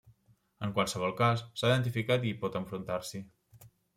En qualsevol cas, s'ha identificat i es pot enfrontar-s'hi.